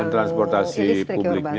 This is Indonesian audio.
dan transportasi publik yang